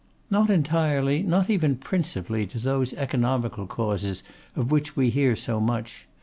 'Not entirely, not even principally, to those economical causes of which we hear so much.